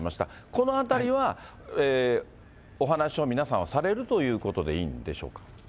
このあたりは、お話を皆さんはされるということでいいんでしょうか。